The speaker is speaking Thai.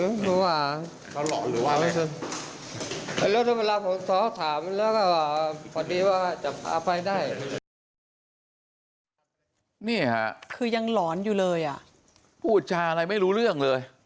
พอดีว่าจะพาไปได้นี่ค่ะคือยังหลอนอยู่เลยอ่ะพูดชาอะไรไม่รู้เรื่องเลย